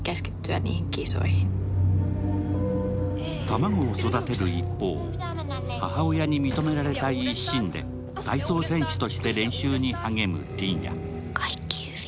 卵を育てる一方、母親に認められたい一心で体操選手として練習に励むティンヤ。